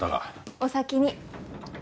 お先に。